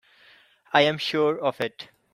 I am sure of it.